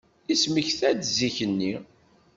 Yesmekta-d zik-nni.